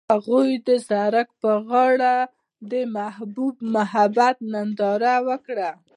هغوی د سړک پر غاړه د محبوب محبت ننداره وکړه.